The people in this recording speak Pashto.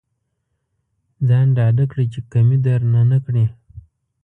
ځان ډاډه کړه چې کمې درنه نه کړي.